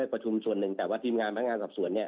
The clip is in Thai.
ประชุมส่วนหนึ่งแต่ว่าทีมงานพนักงานสอบสวนเนี่ย